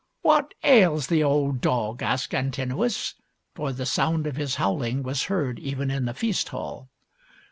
" What ails the old dog ?" asked Antinous ; for the sound of his howling was heard even in the feast hall.